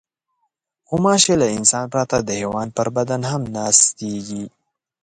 غوماشې له انسان پرته د حیوان پر بدن هم ناستېږي.